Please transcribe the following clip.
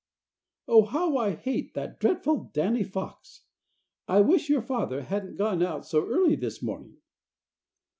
"Oh, how I hate that dreadful Danny Fox! I wish your father hadn't gone out so early this morning."